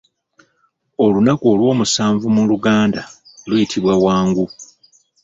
Olunaku olw'omusanvu mu luganda luyitibwa Wangu.